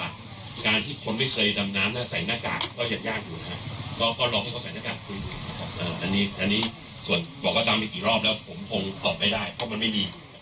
อันนี้ส่วนบอกว่าดำได้กี่รอบแล้วผมคงตอบไม่ได้เพราะมันไม่มีอยู่นะครับ